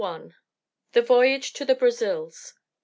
THE VOYAGE TO THE BRAZILS.